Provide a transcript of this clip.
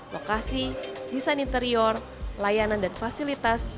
lokasi desain interior layanan dan fasilitas